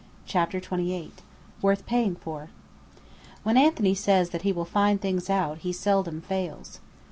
CHAPTER XXVIII WORTH PAYING FOR When Anthony says that he will find out things he seldom fails.